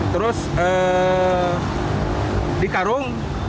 terus di karung